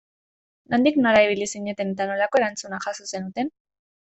Nondik nora ibili zineten eta nolako erantzuna jaso zenuten?